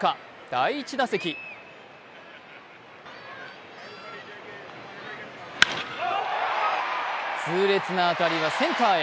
第１打席痛烈な当たりはセンターへ。